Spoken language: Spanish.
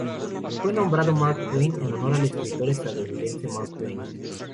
Fue nombrado Mark Twain en honor al escritor estadounidense Mark Twain.